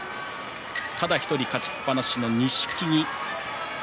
ただ１人、勝ちっぱなしの錦木。